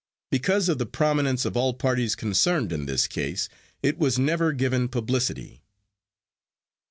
Because of the prominence of all parties concerned in this case, it was never given publicity.